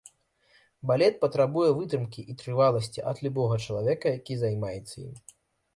Балет патрабуе вытрымкі і трываласці ад любога чалавека, які займаецца ім.